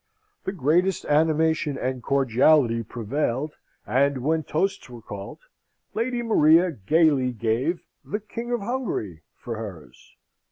The greatest animation and cordiality prevailed, and when toasts were called, Lady Maria gaily gave "The King of Hungary" for hers.